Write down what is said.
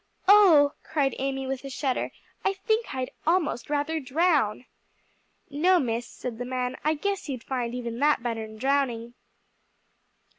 "Oh," cried Amy, with a shudder, "I think I'd almost rather drown." "No, Miss," said the man, "I guess you'd find even that better'n drowning."